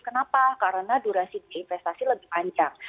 kenapa karena durasi investasi lebih panjang